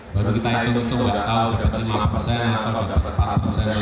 baru kita hitung itu nggak tahu dapat lima persen atau dapat empat persen